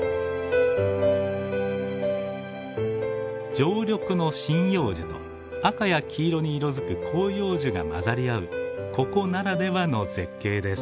常緑の針葉樹と赤や黄色に色づく広葉樹がまざり合うここならではの絶景です。